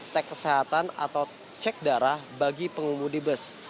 tek kesehatan atau cek darah bagi pengumudi bus